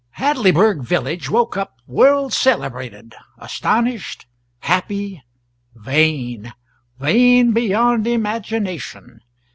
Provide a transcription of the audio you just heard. Hadleyburg village woke up world celebrated astonished happy vain. Vain beyond imagination.